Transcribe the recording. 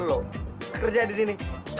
lo kerja di sini